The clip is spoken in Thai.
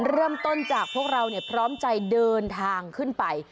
เริ่มต้นจากพวกเราพร้อมใจเดินทางขึ้นไป